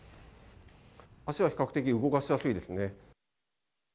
足は比較的動かしやすいですね。